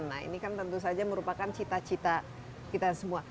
nah ini kan tentu saja merupakan cita cita kita semua